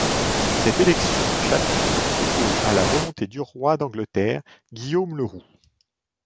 Cette élection du chapitre s'oppose à la volonté du roi d'Angleterre Guillaume le Roux.